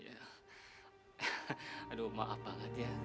aduh maaf banget ya